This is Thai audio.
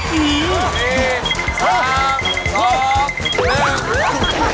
พอดเวร่า